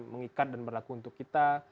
mengikat dan berlaku untuk kita